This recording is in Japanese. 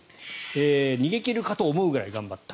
逃げ切るかと思うぐらい頑張った。